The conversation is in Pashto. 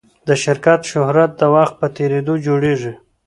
د شرکت شهرت د وخت په تېرېدو جوړېږي.